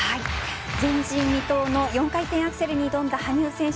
前人未踏の４回転アクセルに挑んだ羽生選手